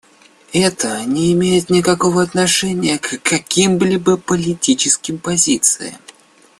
Это не имеет никакого отношения к какими-либо политическим позициям.